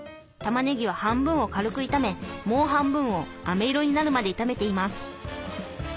たまねぎは半分を軽く炒めもう半分をあめ色になるまで炒めています。